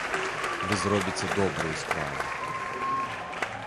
Вы зробіце добрую справу.